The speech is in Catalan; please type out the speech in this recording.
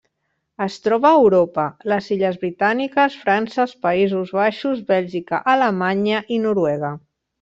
Es troba a Europa: les illes Britàniques, França, els Països Baixos, Bèlgica, Alemanya i Noruega.